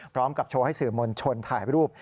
พร้อมกับโชว์ให้สื่อมวลชนถ่ายรูป